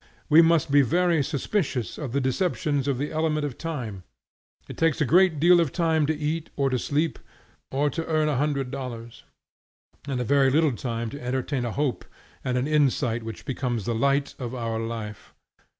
We must be very suspicious of the deceptions of the element of time. It takes a good deal of time to eat or to sleep, or to earn a hundred dollars, and a very little time to entertain a hope and an insight which becomes the light of our life.